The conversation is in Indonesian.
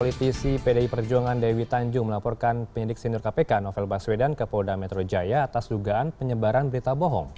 politisi pdi perjuangan dewi tanjung melaporkan penyidik senior kpk novel baswedan ke polda metro jaya atas dugaan penyebaran berita bohong